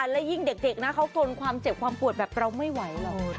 และยิ่งเด็กนะเขาทนความเจ็บความปวดแบบเราไม่ไหวหรอก